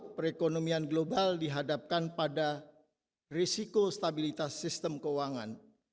perekonomian global dihadapkan pada risiko stabilitas sistem keuangan